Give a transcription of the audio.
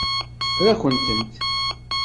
Teffer-akent-tent.